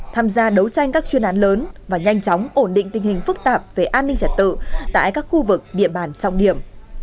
tham gia đấu tranh các chuyên án lớn và nhanh chóng ổn định tình hình phức tạp về an ninh trật tự tại các khu vực địa bàn trọng điểm